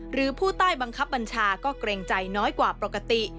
หรือผู้ใต้บังคับบัญชาก็เกรงใจน้อยกว่าปกติ